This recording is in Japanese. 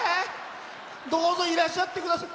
どうぞいらっしゃってください。